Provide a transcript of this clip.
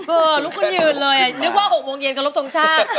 ก็ลุขึ้นยืนเลยนึกว่า๖โมงเย็นก็ลุ่บทรงช่าง